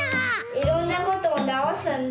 いろんなことをなおすんだ。